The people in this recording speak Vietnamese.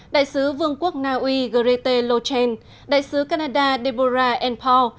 đại sứ vương quốc nga uy grete lochen đại sứ canada deborah n paul